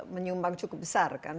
menyumbang cukup besar kan